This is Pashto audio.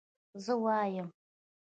زه وايم